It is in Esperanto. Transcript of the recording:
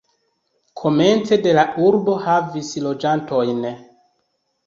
Komence de la urbo havis loĝantojn.